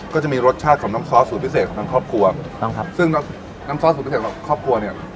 ก็จะมีรสชาติของน้ำซอสสูตรพิเศษของทางครอบครัวถูกต้องครับซึ่งน้ำน้ำซอสสูตรพิเศษของครอบครัวเนี้ย